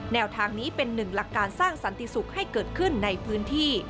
แนวทางนี้เป็นหนึ่งหลักการสร้างสันติสุขให้เกิดขึ้นในพื้นที่